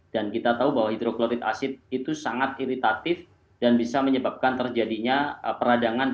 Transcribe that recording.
dan kita tahu bahwa hidroklorid asid itu sangat iritatif dan bisa menyebabkan terjadinya peradangan